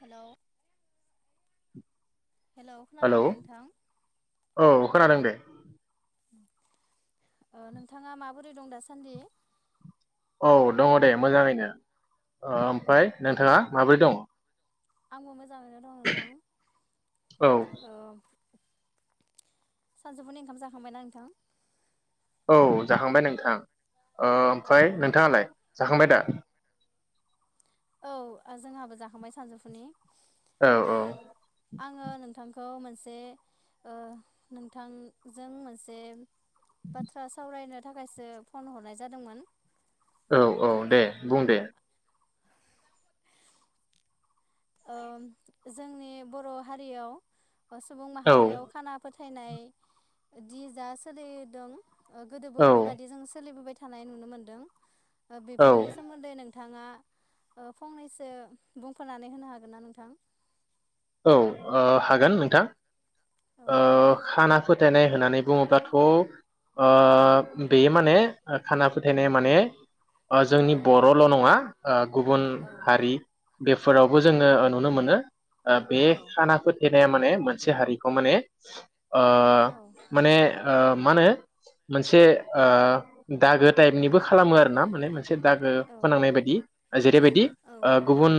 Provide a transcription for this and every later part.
Hello hello खोनादोंना नोंथां औ खोनादों दे नोंथाङा माबोरै दं दासान्दि औ दङ दे मोजाङैनो ओमफ्राय नोंथाङा माब्रै दङ? आंबो मो औ। ओ सानजौफुनि ओंखाम जाखांबायना नोंथां? औ जाखांबाय नोंथां। ओमफ्राय औ नोंथाङालाय जाखांबाय दा? [inaudible] औ जोंहाबो जाखांबाय सानजौफुनि औ औ आङो नोंथां खौ मोनसे ओ नोंथांजों मोनसे बाथ्रा सावरायनो थाखायसो फन हरनाय जादोंमोन। औ औ दे ओ बुं दे। ओम जोंनि बर' हारियाव सुबुं औ माहारियाव खाना फो थायनायदि जा सोलिदों ओ गोदोबो औ बेबायदि जों सोलिबोबाय थानाय नुनो मोन्दों। औ बेफोरनि सोमोन्दै नों थाङा ओ फंनैसो बुंफोरना नै होनो हागोन ना नोंथां? औ ओ हागोन नोंथां। औ ओ बुंलाय खाना फोथायनाय होननानै बुङोब्लाथ' ओ बेयो माने खाना फोथायनाय माने जोंनि औ बर'ल' नङा ओ गुबुन औ हारि बेफोरावबो जोङो ओ नुनो मोनो। ओ बे औ खाना फोथाय बे माने मोनसे हारिखौ माने ओ औ माने ओ मा होनो मोनसे ओ दागो टाइपनिबो खालामो आरोना माने मोन से दागो औ फोनांनाय बायदि, जेरैबायदि औ ओ गुबुन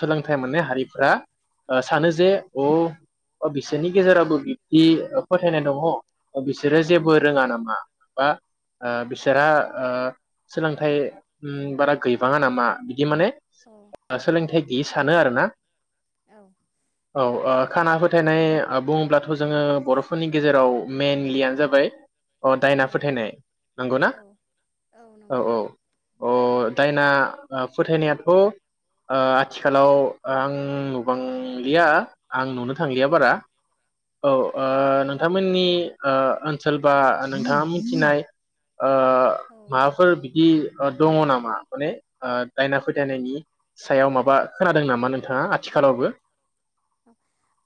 सोंलों थाय मोननाय हारिफ्रा ओ सानो जे अ' बिसोरनि गेजेरावबो बिब्दि फोथायनाय दङ। बिसोरो जेबो रोङा नामा? बा ओ बिसोरा ओ सोलोंथाइ उम बारा गैबाङा नामा? इ माने औ सोलोंथाइ गोयि सानो आरो ना। औ औ ओ खाना फोथायनाय बुङोब्लाथ' जोङो बर'फोरनि गेजेराव मेनलियानो जाबाय अ' दायना औ फोथायनाय, नोंगौ ना? औ औ औ। अ' दायना फोथायनायाथ' ओ आथिखालाव आं नु बांलिया आं नुनो थाल गैया औ बारा। औ, ओ नोंथांमोननि ओ ओनसोल बा नोंथाङा मिथिनाय ओ औ माबाफोर बिदि ओ दङ नामा? माने ओ दायना फोथायनायनि सायाव माबा खोनादों नामा नोंथाङा आ थिखालावबो?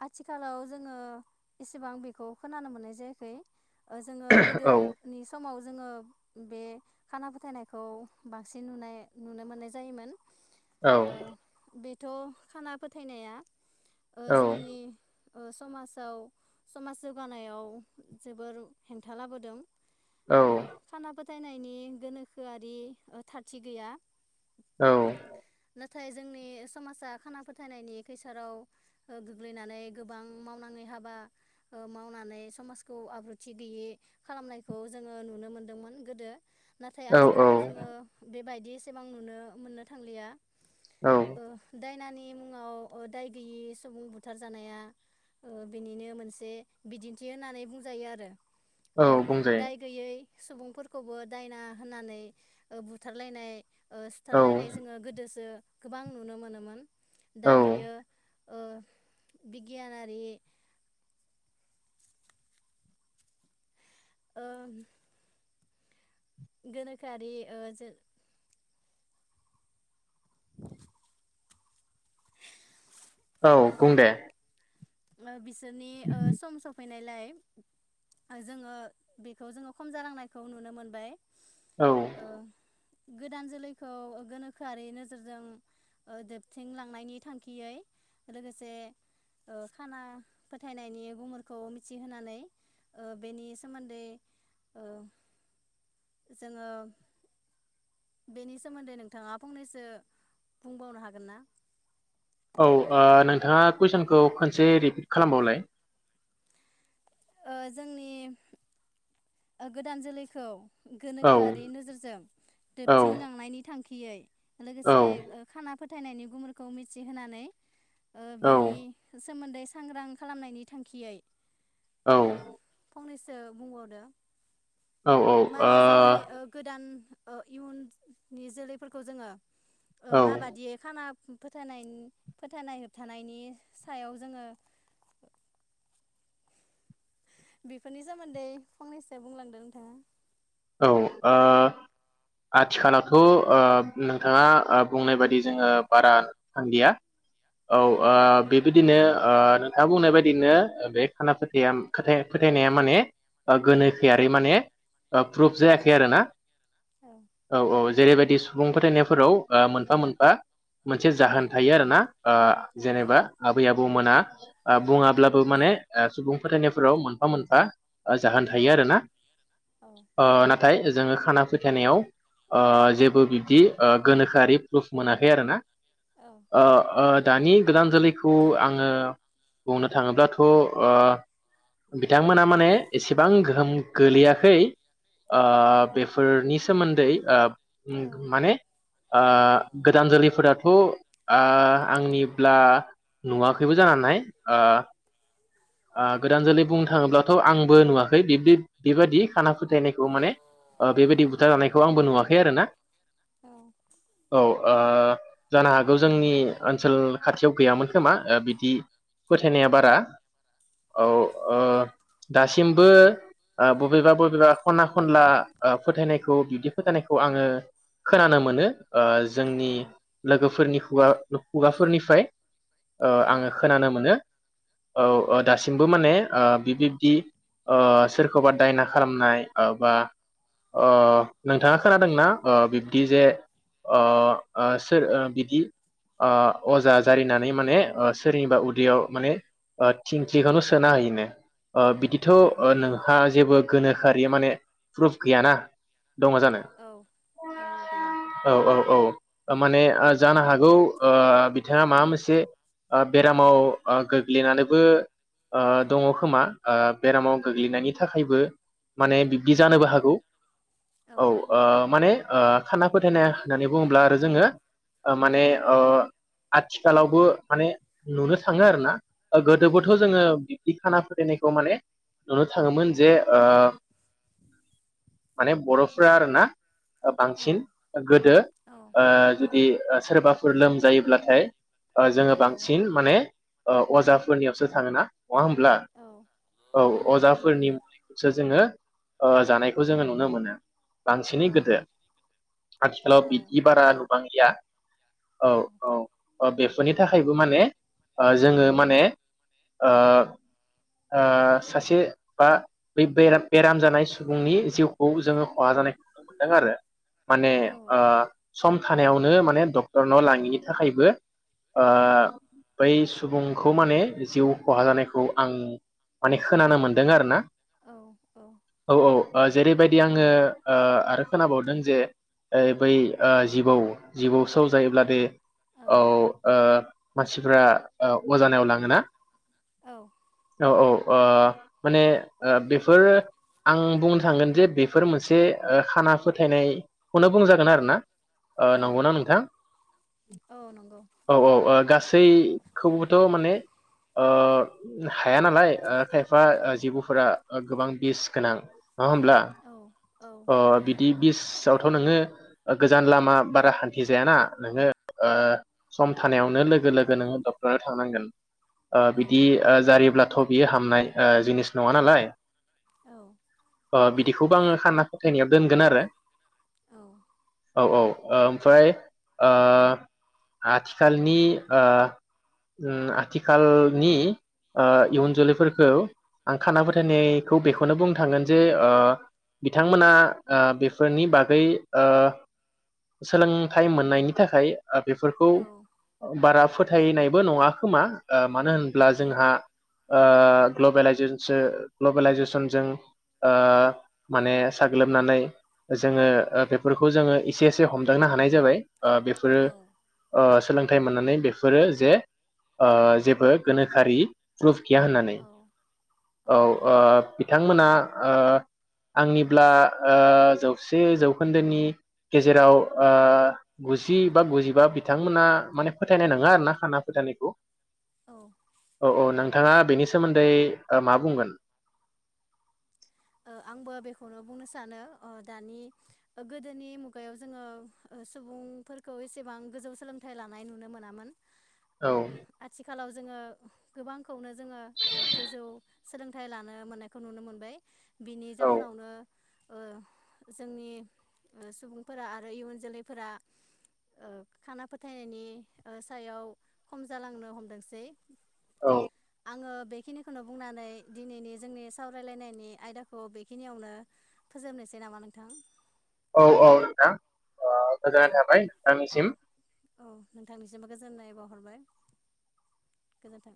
आथिखालाव जोङो एसेबां बेखौ खोनानो मोननाय जायाखै। ओ जोङो औ गोदोनि समाव जोङो बे खाना फोथायनायखौ बांसिन नुनाय नुनो मोननाय जायोमोन। औ ओ बे थ' खाना फोथायनाया ओ जोंनि औ ओ समाजाव, समाज जौगानायाव जोबोर हेंथा लाबोदों। ओ औ खाना फो फोथायनायनि गोनोखोआरि ओ थारथि गैया। औ। नाथाय जोंनि समाजा खाना फोथायनायनि खैसाराव ओ गोग्लैनानै गोबां मावनाङै हाबा ओ मावनानै समाजखौ आब्रुथि गैयै खालामनायखौ जोङो नुनो मोनदोंमोन गोदो। नाथाय औ औ आथिखालाव जोङो बे बायदि एसेबां नुनो मोननो थांलिया। औ ओ दायनानि मुङाव ओ दाय गैयि सुबुं बुथार जानाया ओ बिनिनो मोनसे बिदिन्थि होननानै बुंजायो आरो। औ ओ दाय बुंजायो गैयै सुबुंफोरखौबो दायना होननानै बुथारलायनाय ओ औ सिथारलायनाय जोङो गोदोसो गोबां नुनो मोनोमोन। औ दा बेयो ओ बिगियानारि ओ गोनोखोआरारि ओ ज [inaudible] औ बुंदे। [unintelligible] सोनि ओसम सफैनाय लाय ओ जोंङो बेखौ जोंङो खम जालांनायखौ नुनो मोनबाय। औ [inaudible] गोदान जोलैखौ गोनोखोआरि नोजोरजों ओ दोबथिंलांनायनि थांखियै, लोगोसे ओ खाना फोथायनायनि गुमुरखौ मिथिहोनानै ओ बेनि सोमोन्दै ओ जोङो बेनि सोमोन्दै नोंथाङा फंनैसो बुंबावनो हागोन ना? औ ओ नोंथाङा कुइसनखौ खनसे रिपिट खालामबावलाय। ओ जोंनि गोदान जोलैखौ औ गोनोखोआरि नोजोरजों औ दोबथिं लांनायनि थांखि इयै। औ लोगोसे ओ खाना फोथायनायनि गुमुरखौ मिथिहोनानै ओ औ। बेनि सोमोन्दै सांग्रां खालामनायनि थांखियै औ। ओ फंनैसो बुंबावदो। औ ओ माने जोंनि ओ गोदान ओ इयुननि जोलैफोरखौ जोङो ओ औ माबादियै खाना फोथायनाय फोथायनाय होबथानायनि सायाव जोङो बेफोरनि सोमोन्दै फंनैसो बुंलांदों नोंथाङा। औ ओ आथिखालावथ' ओ नोंथाङा ओ बुंनाय बायदि जोङो बारा थान्दिया औ ओ बे बिदिनो ओ नोंथाङा बुंनाय बायदिनो ओ बे खाना फोथाया फोथायनाया माने गोनोखोयारि माने ओ प्रुफ औ जायाखै आरो ना। औ औ औ। जेरैबायदि सुबुं फोथायनायफोराव ओ मोनफा मोनफा मोनसे जाहोन थायो आरोना ओ औ जेनेबा आबै आबौ बौ मोना ओ बुङाब्लाबो माने ओ सुबुं फोथायनायफोराव मोनफा मोनफा ओ जाहोन थायो औ आरोना औ ओ फ्राय जोङो खाना फो फोथायनायाव ओ जेबो बिब्दि ओ गोनोखोआरि प्रुफ मोनाखै आरोना औ अ ओ दानि गोदान जोलैखौ आङो बुंनो थाङोब्लाथ' ओ बिथांमोना माने एसेबां गोहोम गोलैयाखै। ओ औ बेफ नि सोमोन्दै ओ औ ओम माने ओ गोदान जोलैफोराथ' ओ आंनिब्ला नुवाखैबो जानो हानाय ओ ओ गोदान जोलै बुंनो थाङोब्लाथ' आंबो नुवाखै बिब्दि बेबादि खाना फोथायनायखौ माने ओ बेबायदि उम बुथारजानायखौ आंबो नुवाखै। दि आरोना। औ। औ ओ जानो हागौ जोंनि ओनसोल खाथियाव गैयामोन खोमा ओ बिदि फोथायनाया बारा औ ओ दासिमबो ओ बबेबा बबेबा खना खनला ओ फोथायनायखौ बिब्दि फोथायनायखौ आङो खोनानो मोनो ओ जोंनि औ लोगोफोरनि खुगा-खुगाफोरनिफ्राय ओ आङो औ खोनानो मोनो औ दासिमबो माने ओ बि-बिब्दि ओ सोरखौबा दायना खालामनाय ओ बा ओ नोंथाङा खोनादोंना ओ बिब्दि जे ओ सोर बिब्दि ओ अजा जारिनानै माने सोरनिबा उदैयाव माने ओ थिंखिखौनो सोना होयोनो ओ बिदिथ' औ नोंहा जेबो गोनोखोआरि माने प्रुफ गैयाना दङ जानो औ गैया औ औ औ ओ माने ओ जानो हागौ ओ बिथाङा माबा मोनसे ओ बेरामाव गोग्लैनानैबो ओ दङ खोमा ओ बेरामाव गोग्लैनायनि थाखायबो माने बिब्दि औ जानोबो हागौ औ ओ माने ओ खाना फोथायनाय होननानै बुङोब्ला आरो जोङो ओ माने ओ आथिखालावबो माने ओ नुनो थाङो आरो ना गोदोबोथ' औ जोङो बिब्दि खाना फोथायनायखौ माने नुनो थाङोमोन जे माने बर'फोरा आरोना औ बांसिन गोदो औ औ जुदि सोरबाफोर लोम जायोब्लाथाय जोङो औ बांसिन माने अजाफोरनियावसो थाङोना नङा होमब्ला औ औ अजाफोरनि सो जोङो ओ जानायखौ जोङो नुनो मोनो। औ बांसिनै गोदो आथिखालाव औ बिदि बारा नुबांलिया औ औ बे सनि थाखायबो माने ओ जोङो माने ओ ओ सासे बा बे बेराम जानाय सुबुंनि जिउखौ जोङो खहा जानायखौ नुनो मोनदों आरो। माने आ सम थानायावनो माने डक्टरनाव लाङिनि थाखायबो। आ सुबुंखौ माने जिउ खहा जानायखौ आं माने खोनानो मोन्दों आरोना। औ औ औ आ जेरैबायदि आङो ओ आरो खोनाबावदों जे ऐ बै ओ जिबौ जिबौ सौ जायोब्लादि औ ओ मानसि फ्रा अजानाव लाङोना। औ औ औ माने बेफोर आं बुंनो थांगोन जे बेफोर मोनसे ओ खाना फोथायनायखौनो बुंजागोन आरोना औ नंगौना नोंथां औ नंगौ औ औ गास खौबोबोथ' माने ओ हाया नालाय खायफा जिेबौफोरा गोबां बिस गोनां ना होमब्ला औ औ अ नंगौ बिदि बिसआव थ' नोङो गोजान लामा बारा हान्थि जायाना नोङो ओ सम थानायावनो लोगो लोगो नोङो डक्टरनो थांनांगोन ओ औ बिदि ओ जारिब्लाथ' बियो हामनाय ओ जिनिस नङा नालाय। औ। ओ बिदिखौबो आङो खाना फोथायनायाव दोनगोन आरो औ औ औ ओमफ्राय ओ आथिखालनि ओ‌ ओं आथिखालनि ओ इयुन जोलैफोरखौ आं खाना फोथायनायखौ बेखौनो बुंनो थांगोन जे ओ बिथांमोना ओ बेफोरनि बागै ओ सोलोंथाइ मोननायनि थाखाय ओ बेफोरखौ औ बारा फोथायनायबो नङा खोमा ओ मानो होनब्ला औ जोंहा ओ ओ ग्लबेलाइजेसनजो ग्लबेलाइजेसनजों ओ माने साग्लोबनानै जोङो ओ बेफोरखौ जोङो एसे एसे हमदांनो हानाय जाबाय ओ बेफोरो ओ सोलों थाय मोननानै बेफोरो जे ओ जेबो गोनोखोआरि प्रफ गैया होननानै औ ओ बिथांमोना ओ आंनिब्ला ओ जौसे जौखोन्दोनि गेजेराव ओ गुजि बा गुजिबा बिथांमोना माने फोथायनाय नङा आरो ना खाना फोथायनायखौ। ओ औ औ नों नोंथाङा बेनि सोमोन्दै ओ मा बुंगोन? ओ आंबो बेखौनो बुंनो सानो ओ दानि गोदोनि मुगायाव जोङो सुबुंफोरखौ एसेबां गोजौ सोलोंथाइ लानाय नुनो मोनामोन। औ। ओ आथिखालाव जोङो गोबांखौनो जोङो गोजौ सोलोंथाइ लानो मोननायखौ नुनो मोनबाय। बिनि औ जाहोनावनो ओ जोंनि ओ सुबुंफोरा आरो इयुन जोलैफोरा ओ खाना फोथायनायनि ओ सायाव खम जालांनो हमदोंसै। औ। आङो बेखिनिखौनो बुंनानै दिनैनि जोंनि सावरायलायनायनि आयदाखौ खौ‌ बेखिनियावनो फोजोबनोसै नामा नोंथां? औ औ नोंथां ओ गोजोननाय थाबाय नोंथांनिसिम। औ नोंथांनिसिमबो गोजोननाय बावहरबाय गोजोन्थों।